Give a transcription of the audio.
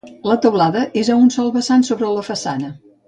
La teulada és a un sol vessant sobre la façana.